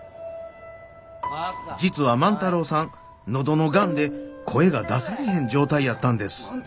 実は万太郎さん喉のガンで声が出されへん状態やったんです。